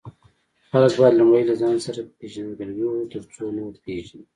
خلک باید لومړی له ځان سره پیژندګلوي ولري، ترڅو نور پیژني.